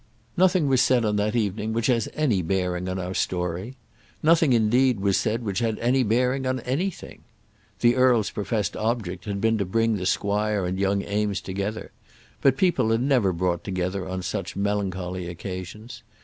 Nothing was said on that evening which has any bearing on our story. Nothing, indeed, was said which had any bearing on anything. The earl's professed object had been to bring the squire and young Eames together; but people are never brought together on such melancholy occasions.